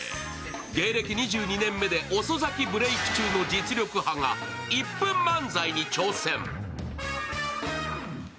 芸歴２２年目で遅咲きブレイク中の実力派が１分漫才に挑戦。